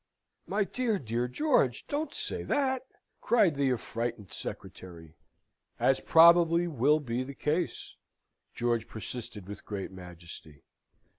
"My dear, dear George, don't say that!" cried the affrighted secretary. "'As probably will be the case,'" George persisted with great majesty.